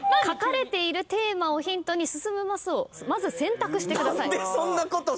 書かれているテーマをヒントに進むマスをまず選択してください。